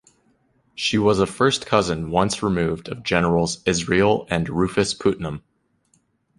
She was a first cousin once removed of Generals Israel and Rufus Putnam.